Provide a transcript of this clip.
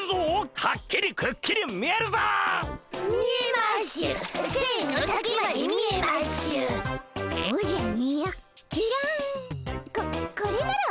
うん。